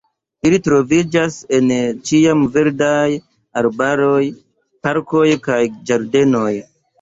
Ili troviĝas en ĉiamverdaj arbaroj, parkoj kaj ĝardenoj.